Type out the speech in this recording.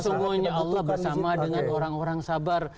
semuanya allah bersama dengan orang orang sabar